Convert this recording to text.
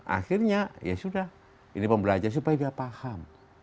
akhirnya ya sudah ini pembelajar supaya dia paham